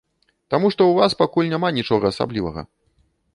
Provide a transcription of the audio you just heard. Таму што ў вас пакуль няма нічога асаблівага.